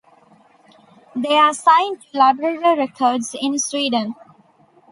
They are signed to Labrador Records in Sweden.